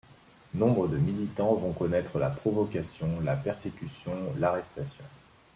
Nombre de militants vont connaître la provocation, la persécution, l'arrestation.